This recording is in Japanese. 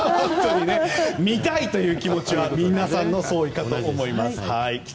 見たいという気持ちは皆さんの総意かと思います。